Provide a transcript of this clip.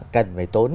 cần phải tốn